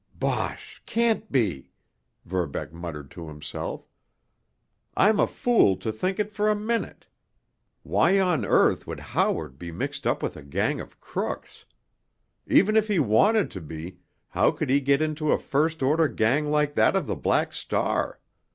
"Bosh! Can't be!" Verbeck muttered to himself. "I'm a fool to think it for a minute. Why on earth would Howard be mixed up with a gang of crooks? Even if he wanted to be, how could he get into a first order gang like that of the Black Star?